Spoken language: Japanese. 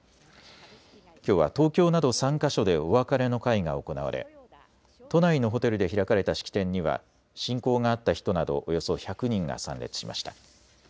きょうは東京など３か所でお別れの会が行われ都内のホテルで開かれた式典には親交があった人などおよそ１００人が参列しました。